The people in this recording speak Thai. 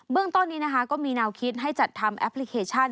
เบื้องตอนนี้ก็มีเนาคิดให้จัดทำแอปพลิเคชัน